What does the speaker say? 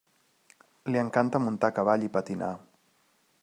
Li encanta muntar a cavall i patinar.